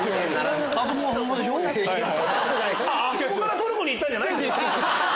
あそこからトルコに行ったんじゃないんですか？